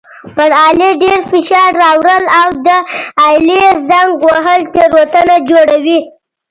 پر آلې ډېر فشار راوړل او د آلې زنګ وهل تېروتنه جوړوي.